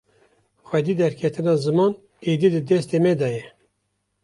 Xwedî derketina ziman êdî di destê me de ye.